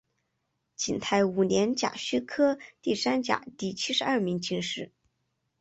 景泰五年甲戌科第三甲第七十二名进士。